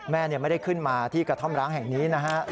แม่ไม่ได้ขึ้นมาที่กระท่อมร้างแห่งนี้นะฮะ